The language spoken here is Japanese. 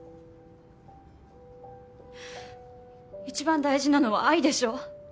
一番大事なのは愛でしょう？